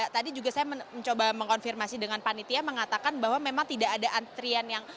tadi juga saya mencoba mengkonfirmasi dengan panitia mengatakan bahwa memang tidak ada antrian yang